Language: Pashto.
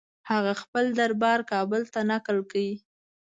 هغه خپل دربار کابل ته نقل کړ.